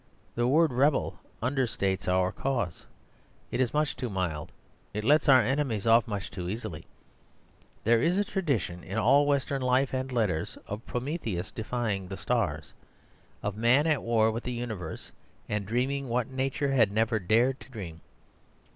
The word "rebel" understates our cause. It is much too mild; it lets our enemies off much too easily. There is a tradition in all western life and letters of Prometheus defying the stars, of man at war with the Universe, and dreaming what nature had never dared to dream.